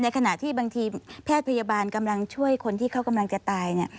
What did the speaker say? ขณะที่บางทีแพทย์พยาบาลกำลังช่วยคนที่เขากำลังจะตาย